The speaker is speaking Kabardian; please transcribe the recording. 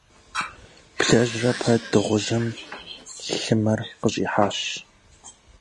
Блэжрэ пэт дыгъужьым лымэр къащӏихьащ.